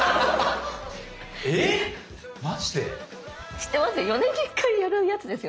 知ってますよ